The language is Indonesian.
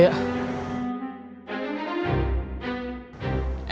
tidak ada apa apa